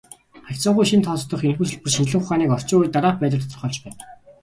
Харьцангуй шинэд тооцогдох энэхүү салбар шинжлэх ухааныг орчин үед дараах байдлаар тодорхойлж байна.